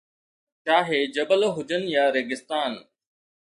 چاهي جبل هجن يا ريگستان